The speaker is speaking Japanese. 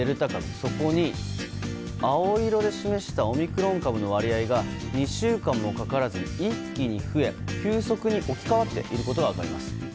そこに青色で示したオミクロン株の割合が２週間もかからずに一気に増え、急速に置き換わっていることが分かります。